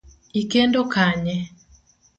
Ikendo Kanye?